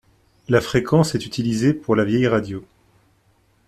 La fréquence est utilisé pour la veille radio.